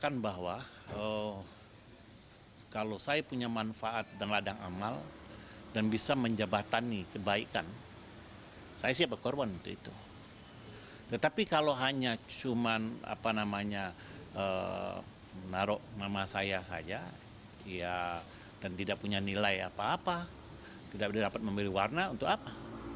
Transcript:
nilai apa apa tidak dapat memberi warna untuk apa